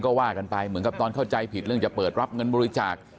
ก็ว่ากันไปเหมือนกับตอนเข้าใจผิดเรื่องจะเปิดรับเงินบริจาค